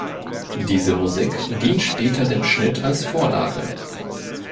Diese Musik dient später dem Schnitt als Vorlage.